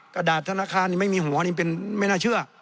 กระดาษธนาคารไม่มีหัวนี่เป็นไม่น่าเชื่อ